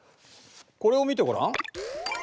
これを見てごらん。